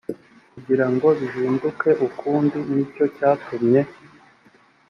kugira ngo bihinduke ukundi ni cyo cyatumye